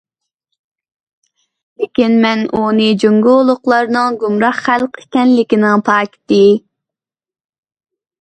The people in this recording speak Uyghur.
لېكىن مەن ئۇنى جۇڭگولۇقلارنىڭ گۇمراھ خەلق ئىكەنلىكىنىڭ پاكىتى.